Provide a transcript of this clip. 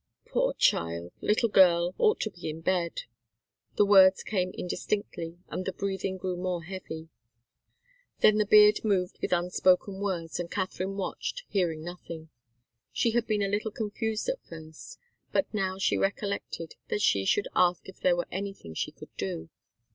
"Poor child little girl ought to be in bed." The words came indistinctly, and the breathing grew more heavy. Then the beard moved with unspoken words, and Katharine watched, hearing nothing. She had been a little confused at first, but now she recollected that she should ask if there were anything she could do.